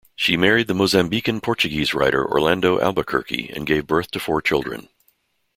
She married the Mozambican-Portuguese writer Orlando Albuquerque and gave birth to four children.